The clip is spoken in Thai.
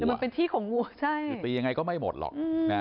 มันเป็นที่ของงูใช่ตียังไงก็ไม่หมดหรอก